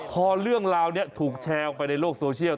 พอเรื่องราวนี้ถูกแชร์ออกไปในโลกโซเชียล